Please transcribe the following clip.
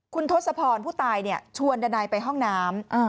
คุณทศพรผู้ตายชวนดันัยไปห้องน้ำ